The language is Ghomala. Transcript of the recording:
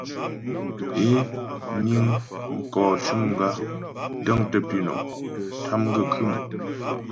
É niŋ mkɔ cʉm gǎ, dəŋtə pǐnɔm, tâm gaə́ khə̌mmm.